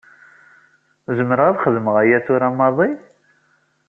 Zemreɣ ad xedmeɣ aya tura maḍi?